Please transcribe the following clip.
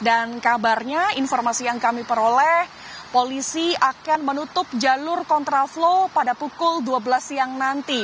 dan kabarnya informasi yang kami peroleh polisi akan menutup jalur kontraflow pada pukul dua belas siang nanti